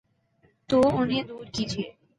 تو انہیں دور کیجیے۔